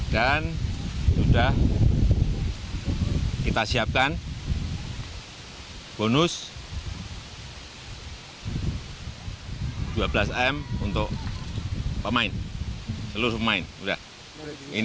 dan sudah kita siapkan bonus dua belas m untuk pemain seluruh pemain